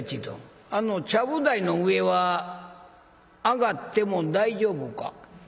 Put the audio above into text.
どんあのちゃぶ台の上は上がっても大丈夫か？」。